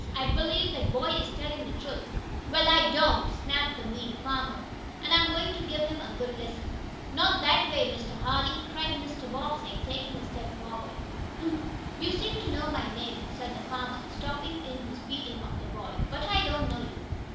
"I believe that boy is telling the truth!" "Wa'al, I don't," snapped the mean farmer. "An' I'm goin' to give him a good lesson." "Not that way, Mr. Hardee!" cried Mr. Bobbsey, taking a step forward. "Huh! You seem to know my name," said the farmer, stopping in his beating of the boy, "but I don't know you."